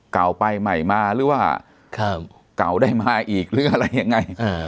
เก่าไปใหม่มาหรือว่าเก่าได้มาอีกหรืออะไรยังไง